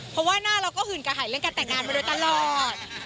เพราะว่าหน้าเราก็หื่นกระหายเรื่องการแต่งงานมาโดยตลอด